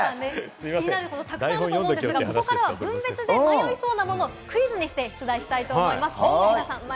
気になることがたくさんあると思うんですが、ここから分別で迷いそうなものをクイズにして取材します。